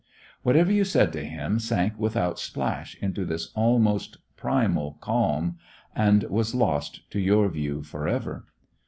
Whatever you said to him sank without splash into this almost primal calm and was lost to your view forever.